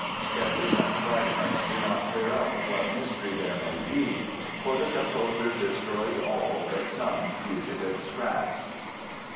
Sketches and fragments do not clear up what mystery there may be, for the composer destroyed all but some fugitive scraps.